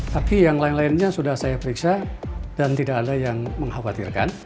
tapi yang lain lainnya sudah saya periksa dan tidak ada yang mengkhawatirkan